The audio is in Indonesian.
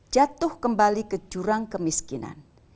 jatuh kembali ke jurang kemiskinan